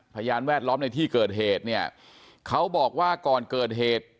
พยานแวดล้อมในที่เกิดเหตุเนี่ยเขาบอกว่าก่อนเกิดเหตุ